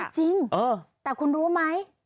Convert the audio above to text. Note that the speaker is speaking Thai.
จริงแต่คุณรู้ไหม